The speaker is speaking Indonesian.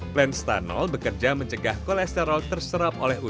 plant stanol bekerja mencegah kolesterol terserap oleh usus